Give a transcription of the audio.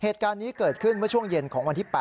เหตุการณ์นี้เกิดขึ้นเมื่อช่วงเย็นของวันที่๘